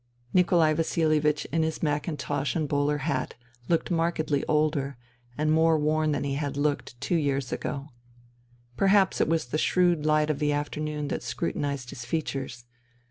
Nikolai Vasilievich in his mackintosh and bowler hat looked markedly older and more worn than he had looked two years ago. Perhaps it was the shrewd light of the afternoon that scru tinized his features.